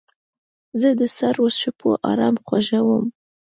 زه د سړو شپو آرام خوښوم.